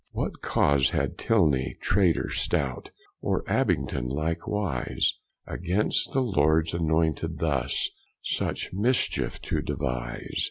What cause had Tilney, traitor stout, Or Abbington likewise, Against the Lords annointed thus Such mischeef to devise?